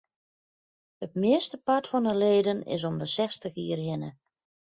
It meastepart fan de leden is om de sechstich jier hinne.